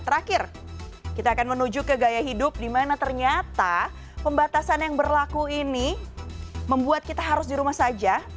terakhir kita akan menuju ke gaya hidup dimana ternyata pembatasan yang berlaku ini membuat kita harus di rumah saja